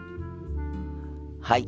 はい。